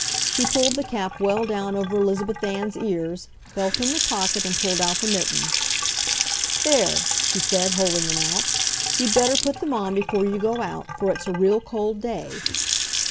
She pulled the cap well down over Elizabeth Ann's ears, felt in the pocket and pulled out the mittens. "There," she said, holding them out, "you'd better put them on before you go out, for it's a real cold day."